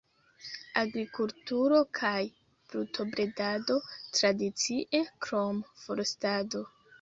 Agrikulturo kaj brutobredado tradicie, krom forstado.